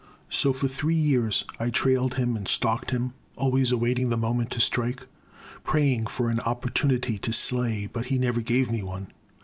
So for three years I trailed him and stalked him, always awaiting the moment to strike, — ^pra5dng for an opportunity to slay; but he never gave me one.